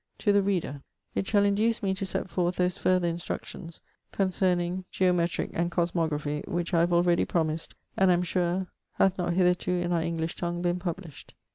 'To the reader: It shall induce me to set forth those further instructions concerning geometric and cosmography which I have already promised and am sure hath not hitherto in our English tongue been published.'